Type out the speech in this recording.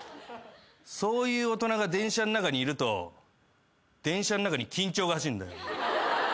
そういう大人が電車の中にいると電車の中に緊張が走るんだよ。